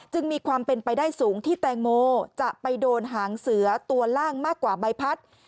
มีความเป็นไปได้สูงที่แตงโมจะไปโดนหางเสือตัวล่างมากกว่าใบพัด